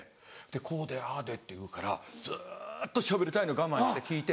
「こうでああで」って言うからずっとしゃべりたいの我慢して聞いて。